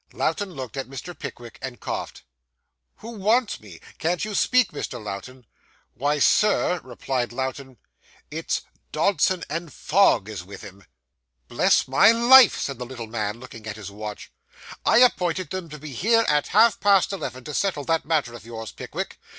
Lowten looked at Mr. Pickwick, and coughed. 'Who wants me? Can't you speak, Mr. Lowten?' 'Why, sir,' replied Lowten, 'it's Dodson; and Fogg is with him.' 'Bless my life!' said the little man, looking at his watch, 'I appointed them to be here at half past eleven, to settle that matter of yours, Pickwick.